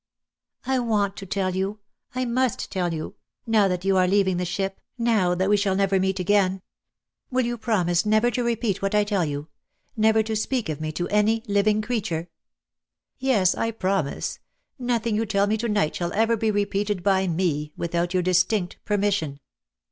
"I want to tell you! I must tell you: now that you are leaving the ship, now that we shall never meet again. Will you promise never to repeat what I tell you — never to speak of me to any living creature?" "Yes, I promise. Nothing you tell me to night shall ever be repeated by me, without your distinct permission."